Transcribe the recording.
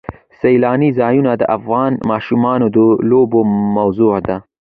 سیلانی ځایونه د افغان ماشومانو د لوبو موضوع ده.